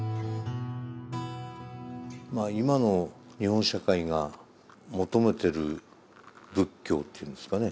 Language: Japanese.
まあ今の日本社会が求めてる仏教っていうんですかね